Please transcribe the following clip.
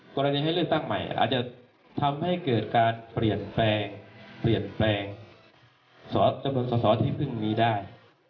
กรณีให้เลือกตั้งใหม่อาจจะทำให้เกิดการเปลี่ยนแปลงเปลี่ยนแปลงจำนวนสอสอที่เพิ่งมีได้